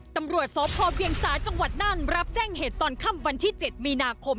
ตำรวจสพเวียงสาจังหวัดน่านรับแจ้งเหตุตอนค่ำวันที่๗มีนาคม